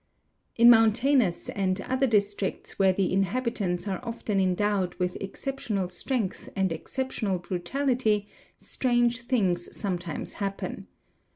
7 In mountainous and other districts where the inhabitants are often mdowed with exceptional strength and exceptional brutality, strange things sometimes happen.